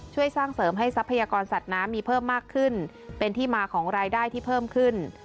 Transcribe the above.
ช่วยสร้างเสริมให้ทรัพยากรสัตว์น้ำมีเพิ่มมากขึ้นเป็นที่มาของรายได้ที่เพิ่มขึ้น